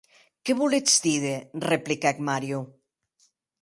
Qué voletz díder?, repliquèc Mario.